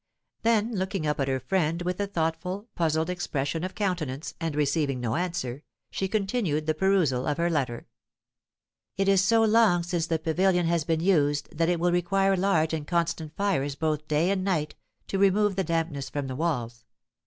Then looking up at her friend with a thoughtful, puzzled expression of countenance, and receiving no answer, she continued the perusal of her letter: "'It is so long since the pavilion has been used that it will require large and constant fires both night and day to remove the dampness from the walls.